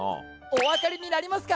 おわかりになりますか？